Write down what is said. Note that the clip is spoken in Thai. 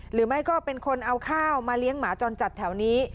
หรือไม่ก็เป็นคนเอาข้าวมาเลี้ยงหมาจรจัดแถวนี้